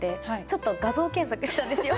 ちょっと画像検索したんですよ。